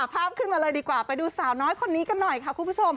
ภาพขึ้นมาเลยดีกว่าไปดูสาวน้อยคนนี้กันหน่อยค่ะคุณผู้ชม